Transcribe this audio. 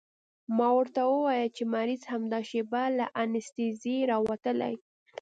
ما ورته وويل چې مريض همدا شېبه له انستيزۍ راوتلى.